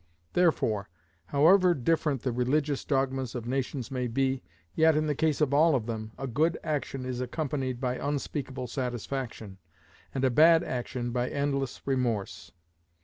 Therefore, however different the religious dogmas of nations may be, yet in the case of all of them, a good action is accompanied by unspeakable satisfaction, and a bad action by endless remorse.